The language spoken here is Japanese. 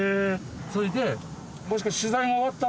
それで。